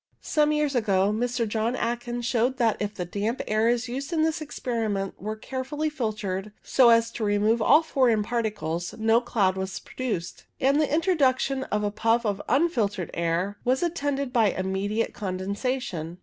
Some years ago Mr. John Aitken showed that if the damp air used in this experiment were care fully filtered, so as to remove all foreign particles, no cloud was produced, and the introduction of a puff of unfiltered air was attended by immediate condensation.